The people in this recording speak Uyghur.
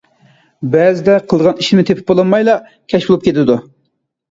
بەزىدە قىلىدىغان ئىشىمنى تېپىپ بولالمايلا كەچ بولۇپ كېتىدۇ.